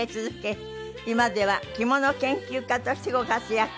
今では着物研究家としてご活躍